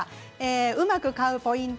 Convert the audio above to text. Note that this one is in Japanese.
うまく使えるポイント